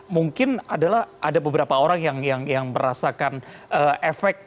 mungkin adalah ada beberapa orang yang merasakan efek